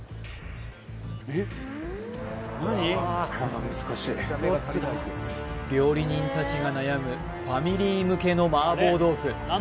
はい料理人たちが悩むファミリー向けの麻婆豆腐